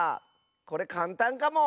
これかんたんかも。